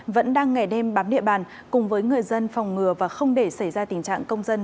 vẫn đang ngày đêm bám địa bàn cùng với người dân phòng ngừa và không để xảy ra tình trạng công dân